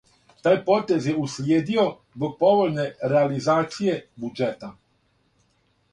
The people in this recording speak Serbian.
Тај потез је услиједио због повољне реализације буђета.